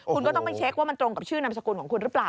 คุณก็ต้องไปเช็คว่ามันตรงกับชื่อนามสกุลของคุณหรือเปล่า